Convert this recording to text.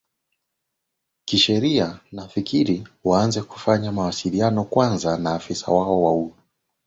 kisheria nafikiri waanze kufanya mawasiliano kwanza na afisa wao wa wauajiri